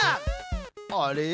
あれ？